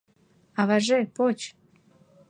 Аваже, поч.